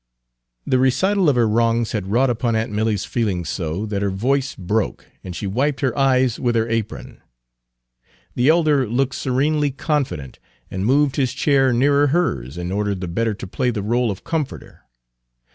The recital of her wrongs had wrought upon aunt Milly's feelings so that her voice broke, and she wiped her eyes with her apron. The elder looked serenely confident, and moved his chair nearer hers in order the better to play the rôle of comforter.